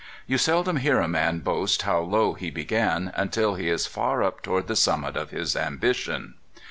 You seldom hear a man boast how low he began until he is far up toward the summit of his ambition.